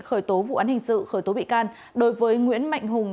khởi tố vụ án hình sự khởi tố bị can đối với nguyễn mạnh hùng